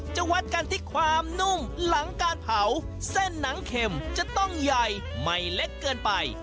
จะวัดกันที่ความนุ่มหลังการเผาเส้นหนังเข็มจะต้องใหญ่ไม่เล็กเกินไป